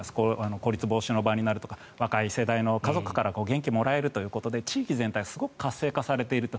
孤立防止の場になるとか若い世代の家族から元気をもらえるということで地域全体がすごく活性化されていると。